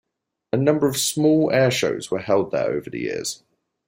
A number of small air shows were held there over the years.